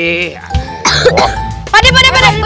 aduh hal hah mikir dong bukan kucing kali